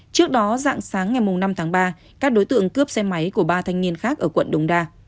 trước đó dạng sáng ngày năm tháng ba các đối tượng cướp xe máy của ba thanh niên khác ở quận đống đa